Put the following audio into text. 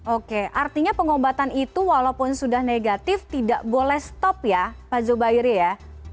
oke artinya pengobatan itu walaupun sudah negatif tidak boleh stop ya pak zubairi ya